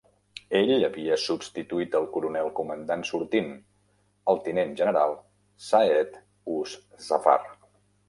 Ell havia substituït el coronel comandant sortint, el tinent general Saeed Uz Zafar.